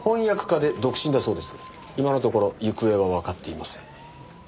今のところ行方はわかっていません。